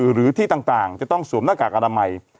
หรือที่ต่างจะต้องสวมหน้ากากอนามัย